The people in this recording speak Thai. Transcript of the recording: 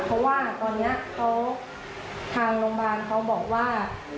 เพราะว่าตอนนี้เขาทางโรงพยาบาลเขาบอกว่า